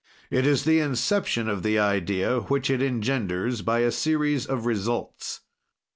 "It is the inception of the idea which it engenders by a series of results.